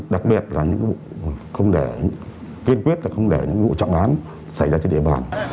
đặc biệt là những vụ kiên quyết không để những vụ trọng án xảy ra trên địa bàn